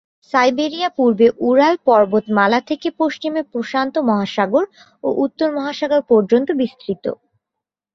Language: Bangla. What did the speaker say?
সাইবেরিয়া পূর্বে উরাল পর্বতমালা থেকে পশ্চিমে প্রশান্ত মহাসাগর ও উত্তর মহাসাগর পর্যন্ত বিস্তৃত।